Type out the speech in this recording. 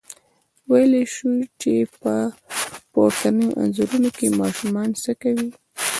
ویلای شئ چې په پورتنیو انځورونو کې ماشومان څه کوي؟